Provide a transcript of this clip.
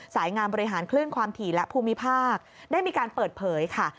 สายงานบริหารคลื่นความถี่และภูมิภาคได้มีการเปิดเผยค่ะ